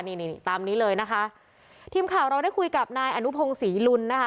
นี่นี่ตามนี้เลยนะคะทีมข่าวเราได้คุยกับนายอนุพงศรีลุนนะคะ